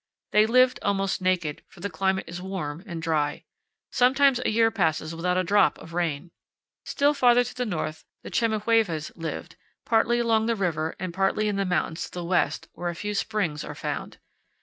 They lived almost naked, for the climate is warm and dry. Sometimes a year passes without a drop of rain. Still farther to the north the Chemehuevas lived, partly along the river and partly in the mountains to the west, where a few springs are found.